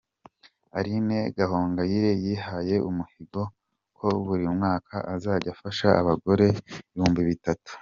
Aline Gahongayire yihaye umuhigo ko buri mwaka azajya afasha abagore ibihumbi bitatu.